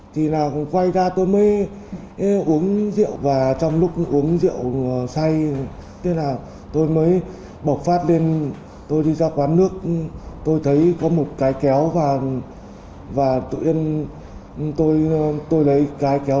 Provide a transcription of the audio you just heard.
thì là quay ra tôi mới uống rượu và trong lúc uống rượu say tôi mới bộc phát lên tôi đi ra quán nước tôi thấy có một cái kéo và tôi lấy cái kéo